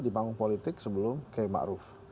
di panggung politik sebelum km aruf